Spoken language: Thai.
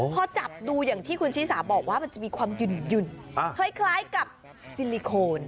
พอจับดูอย่างที่คุณชิสาบอกว่ามันจะมีความหยุ่นคล้ายกับซิลิโคน